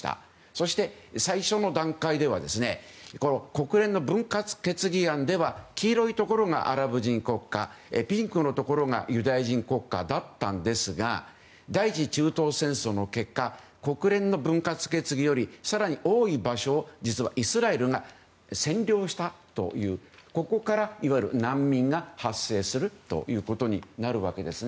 そして、最初の段階では国連の分割決議案では黄色いところがアラブ人国家ピンクのところがユダヤ人国家だったんですが第１次中東戦争の結果国連の分割決議より更に多い場所を実はイスラエルが占領したというここからいわゆる難民が発生することになるわけです。